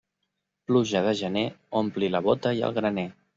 Pluja de gener ompli la bóta i el graner.